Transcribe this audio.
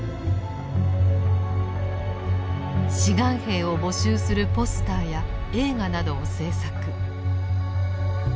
志願兵を募集するポスターや映画などを制作。